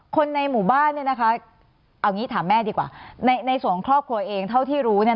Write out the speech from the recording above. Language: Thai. คนในหมู่บ้านเนี่ยนะคะเอางี้ถามแม่ดีกว่าในส่วนของครอบครัวเองเท่าที่รู้เนี่ย